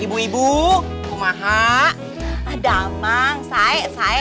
ibu ibu kumaha damang sae sae